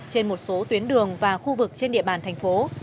trên một số tuyến đường và khu vực trên địa bàn thành phố